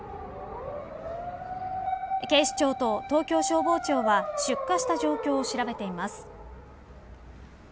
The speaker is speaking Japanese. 警視庁と東京消防庁は出火した状況を調べています。